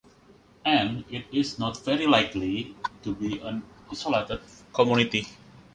And it is not very likely to be an isolated community.